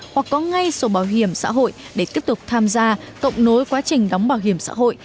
hoặc có ngay sổ bảo hiểm xã hội để tiếp tục tham gia cộng nối quá trình đóng bảo hiểm xã hội